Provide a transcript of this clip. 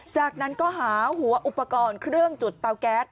จากนั้นก็หาหัวอุปกรณ์เครื่องจุดเตาแก๊ส